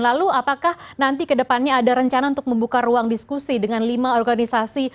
lalu apakah nanti ke depannya ada rencana untuk membuka ruang diskusi dengan lima organisasi